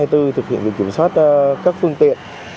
thực hiện việc kiểm soát các phương tiện